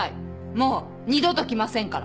もう二度と来ませんから。